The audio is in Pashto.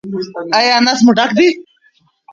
ایا نس مو ډک دی؟